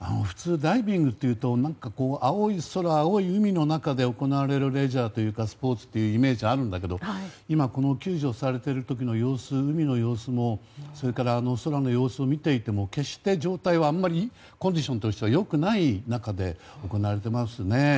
普通、ダイビングというと青い空、青い海の中で行われるレジャーというかスポーツというイメージがあるけど今、救助されてる時の様子海の様子もそれから、空の様子を見てもコンディションは良くない中で行われていますね。